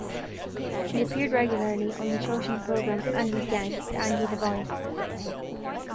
He appeared regularly on the children's program "Andy's Gang" with Andy Devine.